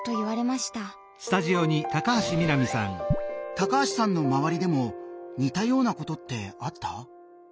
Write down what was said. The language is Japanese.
高橋さんの周りでも似たようなことってあった？